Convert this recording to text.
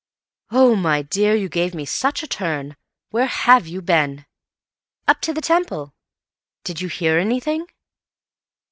"Oh, my dear, you gave me such a turn. Where have you been?" "Up to the Temple." "Did you hear anything?"